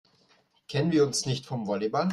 Kennen wir uns nicht vom Volleyball?